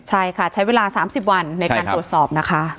ใช่ค่ะใช้เวลา๓๐วันในการตรวจสอบนะคะ